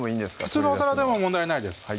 普通のお皿でも問題ないです